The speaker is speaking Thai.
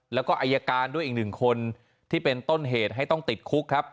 แล้วก็อายการด้วยอีกหนึ่งคนที่เป็นต้นเหตุให้ต้องติดคุกครับ